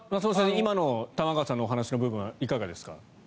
今の玉川さんのお話の部分いかがですか？